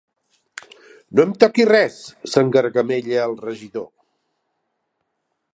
No em toqui res! —s'esgargamella el regidor.